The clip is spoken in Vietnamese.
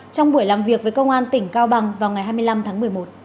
trong buổi làm việc với công an tỉnh cao bằng vào ngày hai mươi năm tháng một mươi một